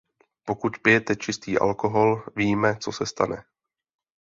Pokud pijete čistý alkohol, víme, co se stane.